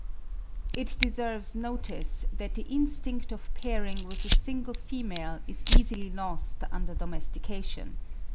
It deserves notice that the instinct of pairing with a single female is easily lost under domestication.